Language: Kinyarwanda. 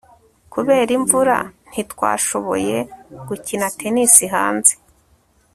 kubera imvura, ntitwashoboye gukina tennis hanze